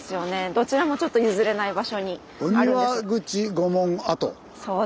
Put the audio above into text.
どちらもちょっと譲れない場所にあるんですが。